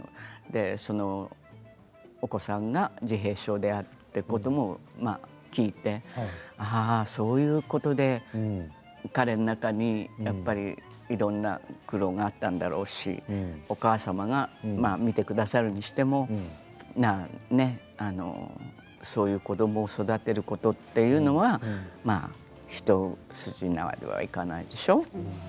そのお子さんが自閉症であるということも聞いてああ、そういうことで彼の中にやっぱりいろいろな苦労があったんだろうしお母様が見てくださるにしてもそういう子どもを育てることというのは一筋縄ではいかないでしょう。